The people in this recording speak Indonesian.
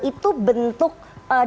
itu bentuk deklarasi dukungan